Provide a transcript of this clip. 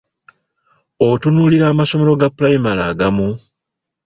Otunuulira amasomero ga pulayimale agamu?